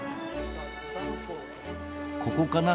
ここかな？